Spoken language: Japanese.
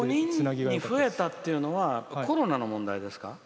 ５人に増えたっていうのはコロナの問題ですか？